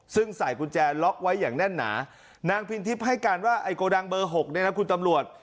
ซึ่งใส่กุญแจล็อกไว้อย่างแน่นหนานางพินทิพย์ให้การว่าไอ้โกดังเบอร์๖เนี่ยนะคุณตำรวจ